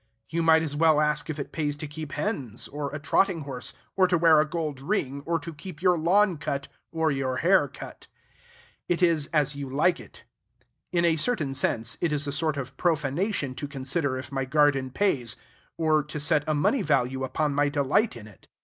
You might as well ask if it pays to keep hens, or a trotting horse, or to wear a gold ring, or to keep your lawn cut, or your hair cut. It is as you like it. In a certain sense, it is a sort of profanation to consider if my garden pays, or to set a money value upon my delight in it.